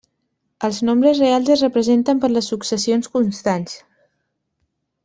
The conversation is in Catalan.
Els nombres reals es representen per les successions constants.